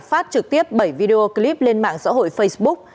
phát trực tiếp bảy video clip lên mạng xã hội facebook